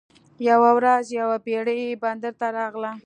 یوه ورځ یوه بیړۍ بندر ته راغله.